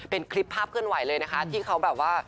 เป็นคลิปภาพเคลื่อนไหวเลยนะคะที่เขาแบบว่า